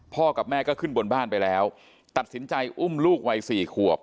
กับแม่ก็ขึ้นบนบ้านไปแล้วตัดสินใจอุ้มลูกวัยสี่ขวบ